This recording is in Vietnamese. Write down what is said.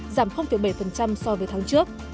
giảm bảy so với tháng trước